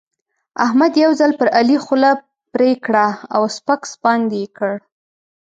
احمد یو ځل پر علي خوله پرې کړه او سپک سپاند يې کړ.